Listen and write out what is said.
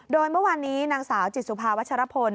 โดยเมื่อวานนี้นางสาวจิตสุภาวัชรพล